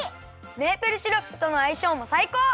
メープルシロップとのあいしょうもさいこう！